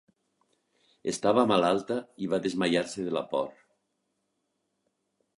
Estava malalta i va desmaiar-se de la por.